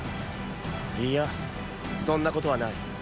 いやそんなことはない。